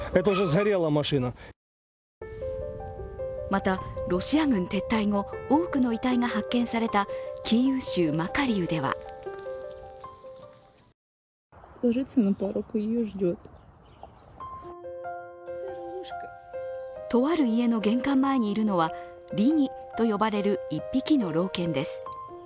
また、ロシア軍撤退後、多くの遺体が発見されたキーウ州マカリウではとある家の玄関前にいるのは、リニと呼ばれる１匹の老犬です。